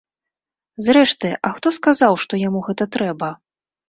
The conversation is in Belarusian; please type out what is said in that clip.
Зрэшты, а хто сказаў, што яму гэта трэба.